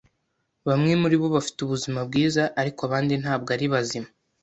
Bamwe muribo bafite ubuzima bwiza, ariko abandi ntabwo ari bazima.